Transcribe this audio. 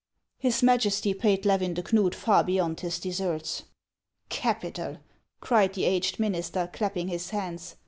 His Majesty paid Levin de Knud far beyond his deserts." " Capital !" cried the aged minister, clapping his hands.